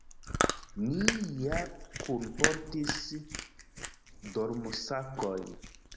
Ni ja kunportis dormosakojn.